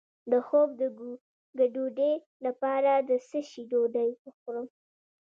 د خوب د ګډوډۍ لپاره د څه شي ډوډۍ وخورم؟